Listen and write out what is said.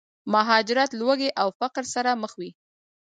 مهاجرت، لوږې او فقر سره مخ وي.